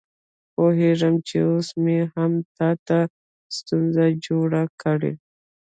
پوهېږم چې اوس مې هم تا ته ستونزه جوړه کړې.